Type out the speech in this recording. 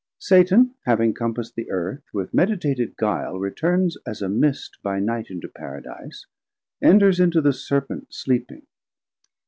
Satan having compast the Earth, with meditated guile returns as a mist by Night into Paradise, enters into the Serpent sleeping.